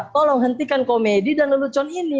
tolong hentikan komedi dan lelucon ini